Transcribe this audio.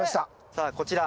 さあこちら。